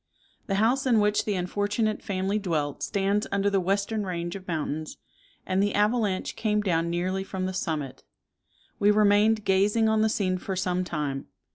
The house in which the unfortunate family dwelt stands under the western range of mountains, and the avalanche came down nearly from the summit. We remained gazing on the scene for some time.